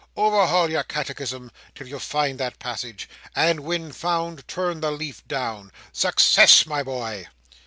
Overhaul your catechism till you find that passage, and when found turn the leaf down. Success, my boy!"